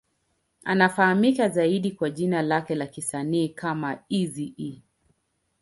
Anafahamika zaidi kwa jina lake la kisanii kama Eazy-E.